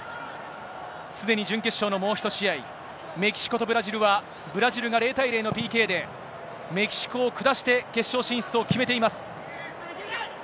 すでに準決勝のもう１試合、メキシコとブラジルは、ブラジルが０対０のＰＫで、メキシコを下して、決勝進出を決めています。